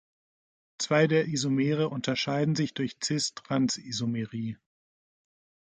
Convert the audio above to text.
Zwei der Isomere unterscheiden sich durch cis-trans-Isomerie.